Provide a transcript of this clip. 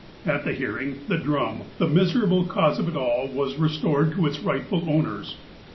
At the hearing, the drum, the miserable cause of it all, was restored to its rightful owners.